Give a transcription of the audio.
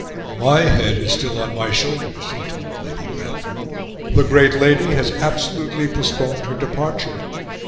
"My head is still on my shoulders," he told Lady Bradford. "The great lady has absolutely postponed her departure!